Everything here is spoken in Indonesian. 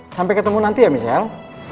sampai ketemu nanti ya misal